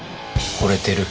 ほれてる。